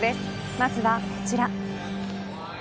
まずはこちら。